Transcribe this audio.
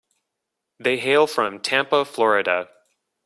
They hail from Tampa, Florida.